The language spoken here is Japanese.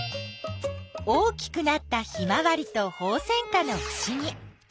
大きくなったヒマワリとホウセンカのふしぎ。